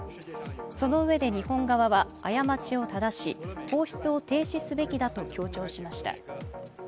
そのうえで日本側は過ちを正し放出を停止すべきだと強調しました。